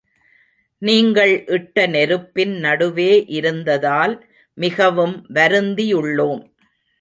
நீங்கள் இட்ட நெருப்பின் நடுவே இருந்ததால் மிகவும் வருந்தியுள்ளோம்.